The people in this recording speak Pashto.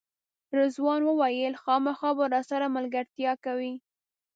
رضوان وویل خامخا به راسره ملګرتیا کوئ.